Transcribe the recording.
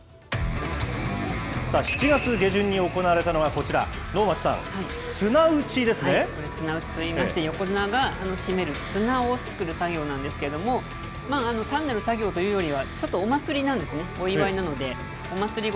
７月下旬に行われたのは、こちら、綱打ちといいまして、横綱が締める綱を作る作業なんですけれども、単なる作業というよりは、ちょっとお祭りなんですね、お祝いなので。